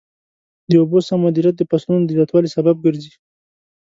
د اوبو سم مدیریت د فصلونو د زیاتوالي سبب ګرځي.